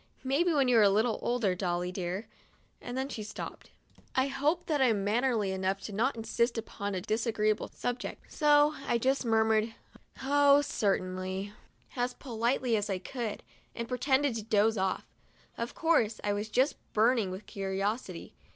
Maybe when you are a little older, Dolly dear" — and then she stopped. I hope that I am mannerly enough not to insist upon a disagreeable subject; so I just murmured: "Oh, cer tainly," as politely as I could, and pretended to doze off. Of course, I was just burning with curiosity.